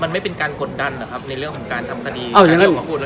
มันไม่เป็นการกดดันเหรอครับในเรื่องของการทำคดี